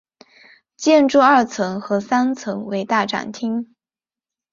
建筑二层和三层为大展厅。